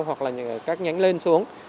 hoặc là các nhánh lên xuống